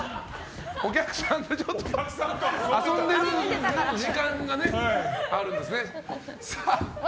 お客さんと遊んでる時間があるんですね。